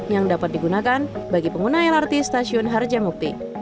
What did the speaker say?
yang dapat digunakan bagi pengguna lrt stasiun harjamukti